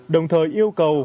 đồng thời yêu cầu